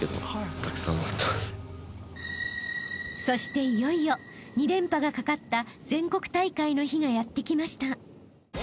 ［そしていよいよ２連覇がかかった全国大会の日がやって来ました］